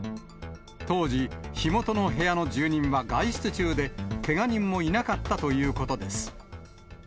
当時、火元の部屋の住人は外出中で、けが人もいなかったということです。